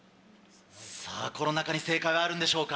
この中に正解はあるんでしょうか。